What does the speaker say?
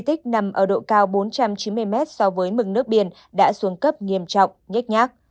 tích nằm ở độ cao bốn trăm chín mươi m so với mực nước biển đã xuống cấp nghiêm trọng nhét nhát